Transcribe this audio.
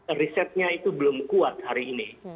itu basis risetnya itu belum kuat hari ini